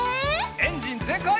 エンジンぜんかい！